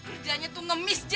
kerjanya tuh ngumis jang